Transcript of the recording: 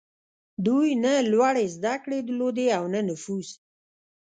دوی نه لوړې زدهکړې درلودې او نه نفوذ.